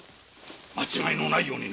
間違いのないように。